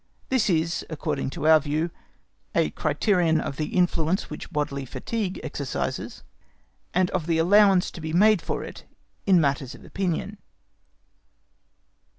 This is, according to our view, a criterion of the influence which bodily fatigue exercises, and of the allowance to be made for it in matters of opinion.